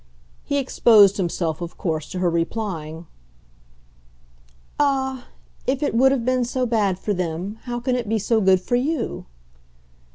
He exposed himself of course to her replying: "Ah, if it would have been so bad for them, how can it be so good for you?"